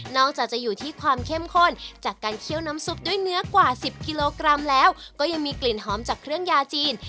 จะอยู่ที่ความเข้มข้นจากการเคี่ยวน้ำซุปด้วยเนื้อกว่า๑๐กิโลกรัมแล้วก็ยังมีกลิ่นหอมจากเครื่องยาจีน